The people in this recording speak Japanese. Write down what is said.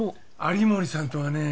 有森さんとはね